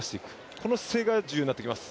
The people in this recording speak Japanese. この姿勢が重要になってきます。